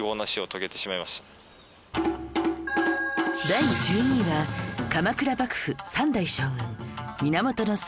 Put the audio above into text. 第１２位は鎌倉幕府３代将軍源実朝